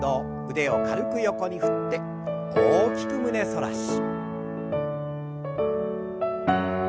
腕を軽く横に振って大きく胸反らし。